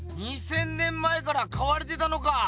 ２，０００年前からかわれてたのか。